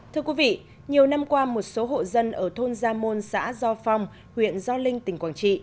thưa quý vị nhiều năm qua một số hộ dân ở thôn gia môn xã do phong huyện gio linh tỉnh quảng trị